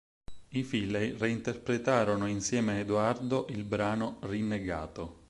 I Finley reinterpretano insieme a Edoardo il brano "Rinnegato".